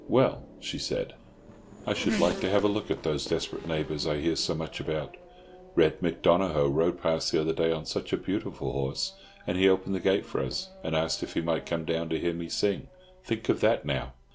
"Well," she said, "I should like to have a look at those desperate neighbours I hear so much about. Red Mick Donohoe rode past the other day on such a beautiful horse, and he opened the gate for us, and asked if he might come down to hear me sing. Think of that, now."